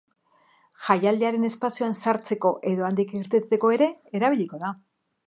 Jaialdiaren espazioan sartzeko edo handik irteteko ere erabiliko da.